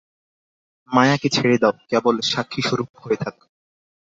মায়াকে ছেড়ে দাও, কেবল সাক্ষিস্বরূপ হয়ে থাক।